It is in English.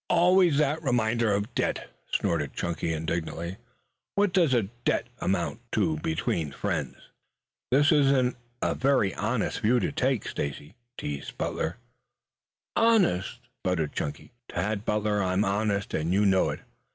"Always that reminder of debt!" snorted Chunky indignantly. "What does a debt amount to between friends?" "That isn't a very honest view to take, Stacy," teased Butler, "Honest?" sputtered Chunky. "Tad Butler, I'm honest, and you know it!